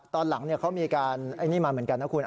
ตอนหลังเนี่ยเขามีอาการไอนี่มาเหมือนกันนะครับคุณ